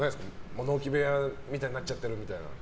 物置部屋になっちゃってるみたいな。